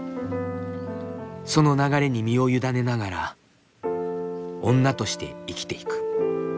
その流れに身を委ねながら女として生きていく。